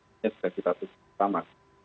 ini sudah kita tutup sama